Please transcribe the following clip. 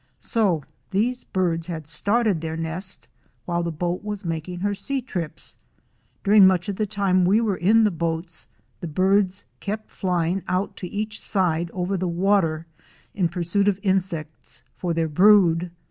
So these birds had started their nest while the boat was making her sea trips. During much of the time we were on the boats the birds kept flying out to each side over the water in pur suit of insects for their brood.